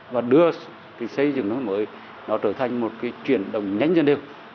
và đưa xây dựng nông thôn mới trở thành một chuyển động nhanh dân đều